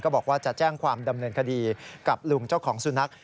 บอกว่าจะแจ้งความดำเนินคดีกับลุงเจ้าของสุนัข